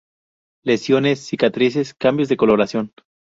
Lesiones, cicatrices, cambios de coloración.